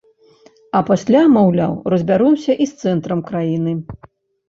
А пасля, маўляў, разбяромся і з цэнтрам краіны.